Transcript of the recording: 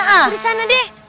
kuris sana deh